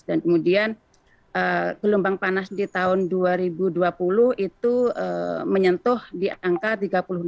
dan kemudian gelombang panas di tahun dua ribu dua puluh itu menyentuh di angka tiga puluh enam empat derajat celcius